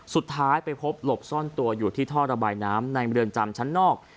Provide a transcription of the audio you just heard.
สุดท้ายไปพบหลบซ่อนตัวอยู่ที่ท่อระบายน้ำในเรือนจำชั้นนอก